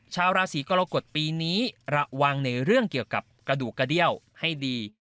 ชาวราศีกรกฎปีนี้ระวังในเรื่องเกี่ยวกับกระดูกกระเดี้ยวให้ดี